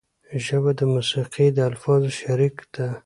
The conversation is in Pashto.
ژبه د موسیقۍ د الفاظو شریک ده